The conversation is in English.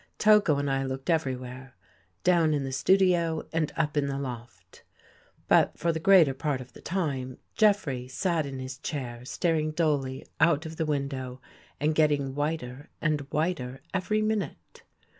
Togo and I looked everywhere — down in the studio and up in the loft. But, for the greater part of the time, Jeffrey sat in his chair staring dully out of the window and getting whiter and whiter every minute.